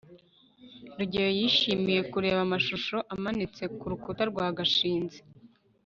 rugeyo yishimiye kureba amashusho amanitse ku rukuta rwa gashinzi